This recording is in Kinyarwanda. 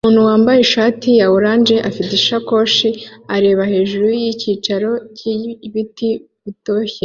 Umuntu wambaye ishati ya orange afite agasakoshi ureba hejuru yicyiciro cyibiti bitoshye